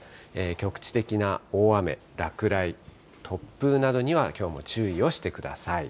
局地的な大雨、落雷、突風などにはきょうも注意をしてください。